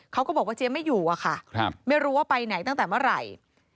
ก็บอกว่าเจ๊ไม่อยู่อะค่ะไม่รู้ว่าไปไหนตั้งแต่เมื่อไหร่